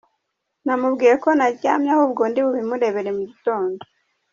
Namubwiye ko naryamye ahubwo ndibubimurebere mu gitondo.